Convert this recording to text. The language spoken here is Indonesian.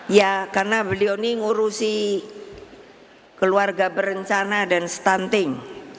ya karena beliau ini ngurusi keluarga berencana dan stunting